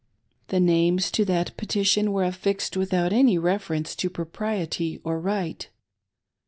The names to that petition were affixed without any reference to propriety or right.